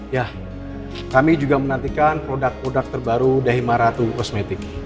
ya kami juga menantikan produk produk terbaru dahima ratu kosmetik